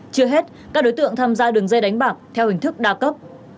chưa hết các đối tượng tham gia đường dây đánh bạc theo hình thức đa cấp